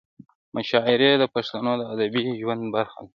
مشاعرې د پښتنو د ادبي ژوند برخه ده.